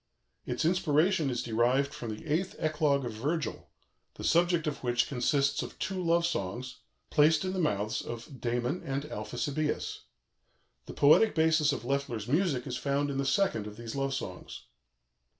Its inspiration is derived from the Eighth Eclogue of Virgil, the subject of which consists of two love songs, placed in the mouths of Damon and Alphesibœus. The poetic basis of Loeffler's music is found in the second of these love songs.